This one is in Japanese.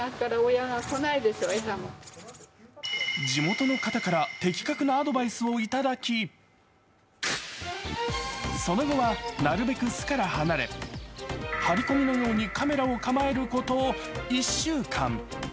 地元の方から的確なアドバイスをいただきその後はなるべく巣から離れ、張り込みのようにカメラを構えること１週間。